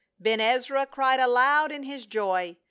Ben Ezra cried aloud in his joy.